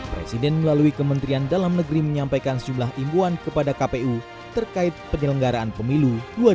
presiden melalui kementerian dalam negeri menyampaikan sejumlah imbuan kepada kpu terkait penyelenggaraan pemilu dua ribu dua puluh